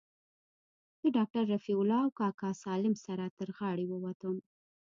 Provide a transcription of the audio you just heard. له ډاکتر رفيع الله او کاکا سالم سره تر غاړې ووتم.